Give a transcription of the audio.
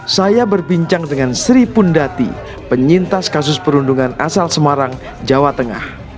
saya berbincang dengan sri pundati penyintas kasus perundungan asal semarang jawa tengah